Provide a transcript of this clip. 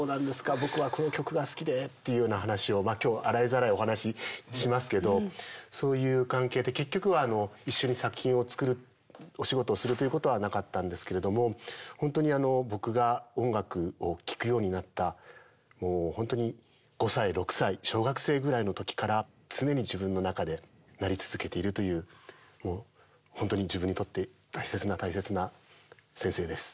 僕はこの曲が好きでっていうような話を今日は洗いざらいお話ししますけどそういう関係って結局は一緒に作品を作るお仕事をするということはなかったんですけれども本当にあの僕が音楽を聴くようになった本当に５歳６歳小学生ぐらいの時から常に自分の中で鳴り続けているという本当に自分にとって大切な大切な先生です。